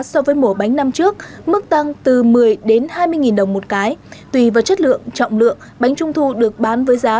của bánh năm trước mức tăng từ một mươi hai mươi đồng một cái tùy vào chất lượng trọng lượng bánh trung thu được bán với giá